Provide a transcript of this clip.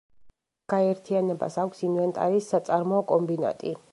გაერთიანებას აქვს ინვენტარის საწარმოო კომბინატი.